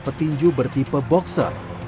petinju bertipe boxer